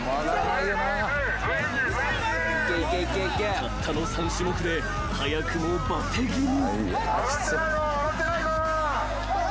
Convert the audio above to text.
［たったの３種目で早くもばて気味］